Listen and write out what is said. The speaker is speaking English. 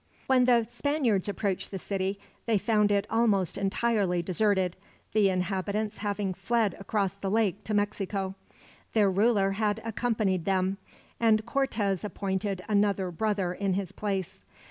When the Spaniards approached the city, they found it almost entirely deserted, the inhabitants having fled across the lake to Mexico. Their ruler had accompanied them, and Cortez appointed another brother in his place.